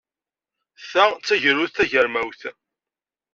Ta d tagrut tagermawt.